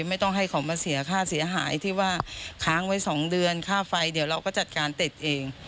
ไม่ต้องให้เขามาเสียค่าเสียหายที่ว่าค้างไว้๒เดือนค่าไฟเดี๋ยวเราก็จัดการติดเอง